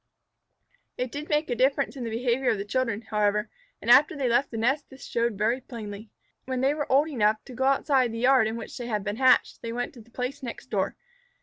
It did make a difference in the behavior of the children, however, and after they left the nest this showed very plainly. When they were old enough to go outside the yard in which they had been hatched, they went to the place next door.